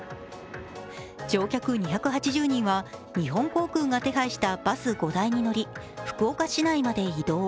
乗客２８０人は日本航空が手配したバス５台に乗り、福岡市内まで移動。